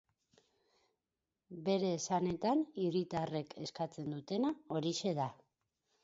Bere esanetan hiritarrek eskatzen dutena horixe da.